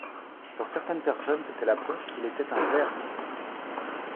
Pour certaines personnes c'était la preuve qu'il était un vrai artiste.